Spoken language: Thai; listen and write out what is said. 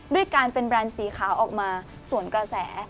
ด้วยการเป็นแบรนด์สีขาวออกมาส่วนกระแส